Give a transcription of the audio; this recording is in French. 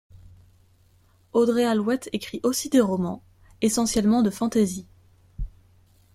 Audrey Alwett écrit aussi des romans, essentiellement de fantasy.